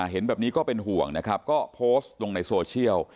เห็นแบบนี้ก็เป็นห่วงเพิ่มโพสต์ในโซเชียล